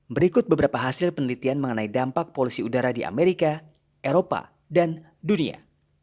berikut beberapa hasil penelitian mengenai dampak polusi udara di amerika eropa dan dunia